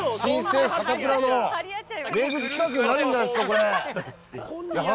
きましたよ、新生サタプラの名物企画になるんじゃないですか？